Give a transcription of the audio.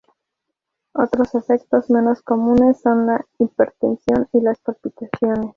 Otros efectos menos comunes son la hipertensión y las palpitaciones.